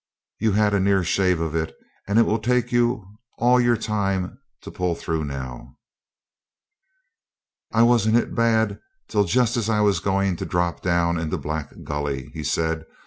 'You had a near shave of it, and it will take you all your time to pull through now.' 'I wasn't hit bad till just as I was going to drop down into Black Gully,' he said.